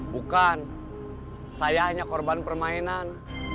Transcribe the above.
bukan saya hanya korban permainan